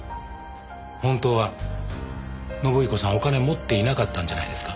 本当は信彦さんお金持っていなかったんじゃないですか？